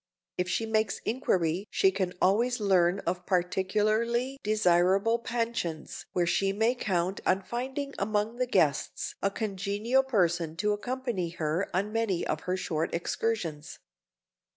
If she makes inquiry she can always learn of particularly desirable pensions where she may count on finding among the guests a congenial person to accompany her on many of her short excursions.